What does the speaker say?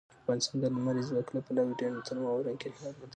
افغانستان د لمریز ځواک له پلوه یو ډېر متنوع او رنګین هېواد بلل کېږي.